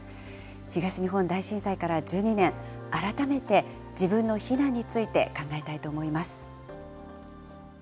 東日本大震災から１２年、改めて自分の避難について考えたいと思います。